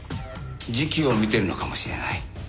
時期を見てるのかもしれない。